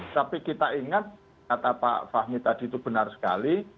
tapi kita ingat kata pak fahmi tadi itu benar sekali